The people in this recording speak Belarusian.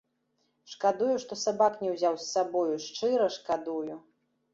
Шкадую, што сабак не ўзяў з сабою, шчыра шкадую!